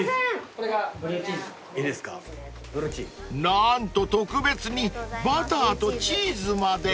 ［何と特別にバターとチーズまで！］